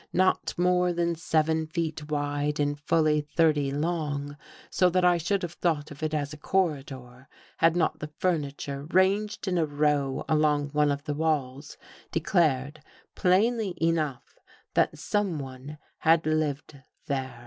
Not more than seven feet wide and fully thirty long, so that I should have thought of it as a corridor, had not the furni ture ranged in a row along one of the walls de clared plainly enough that someone had lived there.